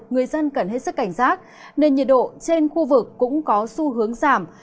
người dân cần hết sức cảnh giác nên nhiệt độ trên khu vực cũng có xu hướng giảm